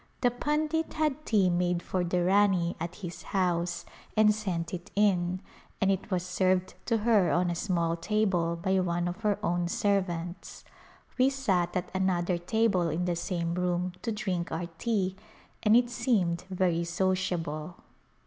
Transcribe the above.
The pundit had tea made for the Rani at his house and sent it in and it was served to her on a small table by one of her own servants. We sat at another table in the same room to drink our tea and it seemed very sociable.